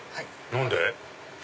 何で？